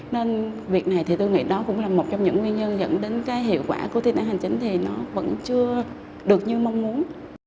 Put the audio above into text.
nên việc này thì tôi nghĩ đó cũng là một trong những nguyên nhân dẫn đến cái hiệu quả của thiên tai hành chính thì nó vẫn chưa được như mong muốn